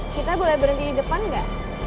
kita boleh berhenti di depan nggak